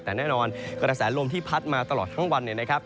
แต่แน่นอนกระแสลมที่พัดมาตลอดทั้งวันเนี่ยนะครับ